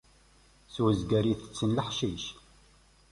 S uzger ittetten leḥcic.